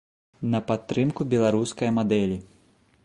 На падтрымку беларускае мадэлі.